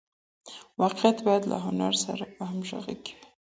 واقعیت باید له هنر سره په همغږۍ کي وي.